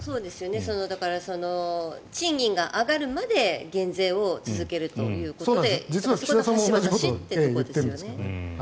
賃金が上がるまで減税を続けるということでそこの橋渡しということですよね。